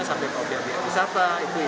sampai ke obyek obyek wisata